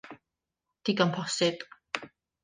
Digon bosib.